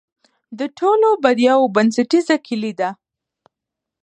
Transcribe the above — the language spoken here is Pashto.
د ټولو بریاوو بنسټیزه کلي ده.